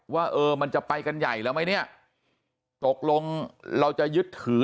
ว่าเออมันจะไปกันใหญ่แล้วไหมเนี่ยตกลงเราจะยึดถือ